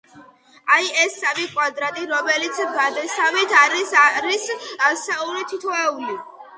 აი, ეს სამი კვადრატი, რომელიც ბადესავით არის, არის ასეული, თითოეული.